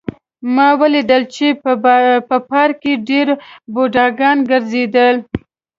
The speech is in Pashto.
ما ولیدل چې په پارک کې ډېر بوډاګان ګرځېدل